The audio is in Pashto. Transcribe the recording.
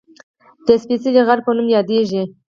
د "سپېڅلي غره" په نوم یادېږي